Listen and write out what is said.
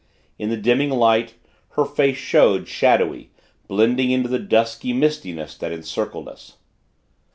In the dimming light, her face showed, shadowy blending into the dusky mistiness that encircled us.